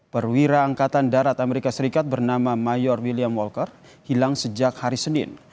perwira angkatan darat amerika serikat bernama mayor william walker hilang sejak hari senin